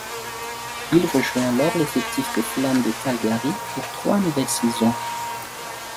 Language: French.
Il rejoint alors l'effectif des Flames de Calgary pour trois nouvelles saisons.